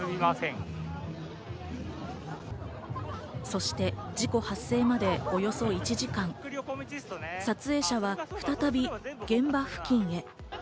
そして事故発生までおよそ１時間、撮影者は再び現場付近へ。